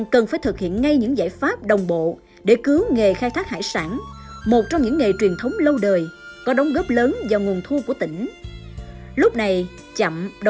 cần phải thực hiện ngay những giải pháp đồng bộ để cứu nghề khai thác hải sản một trong những nghề truyền thống lâu đời có đóng góp lớn vào nguồn thu của tỉnh